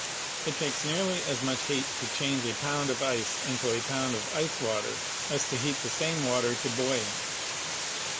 It takes nearly as much heat to change a pound of ice into a pound of ice water as to heat the same water to boiling.